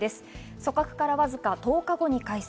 組閣からわずか１０日後に解散。